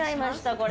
これ。